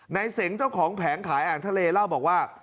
เสงเจ้าของแผงขายอาหารทะเลเล่าบอกว่า